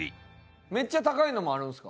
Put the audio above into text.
めっちゃ高いのもあるんですか？